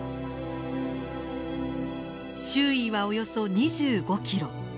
周囲はおよそ２５キロ。